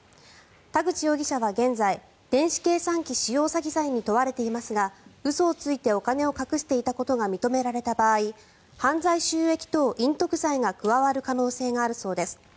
田口容疑者は現在電子計算機使用詐欺罪に問われていますが嘘をついてお金を隠していたことが認められた場合犯罪収益等隠匿罪が加わる可能性があるそうです。